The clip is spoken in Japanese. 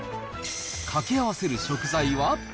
掛け合わせる食材は。